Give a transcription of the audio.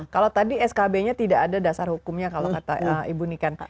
kalau tadi skb nya tidak ada dasar hukumnya kalau kata ibu nikan